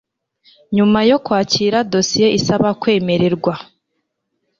Nyuma yo kwakira dosiye isaba kwemererwa